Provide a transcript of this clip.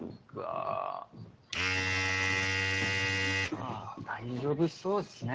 まぁ大丈夫そうですね。